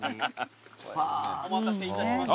・お待たせいたしました。